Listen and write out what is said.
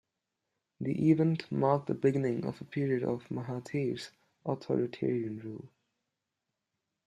The event marked the beginning of a period of Mahathir's authoritarian rule.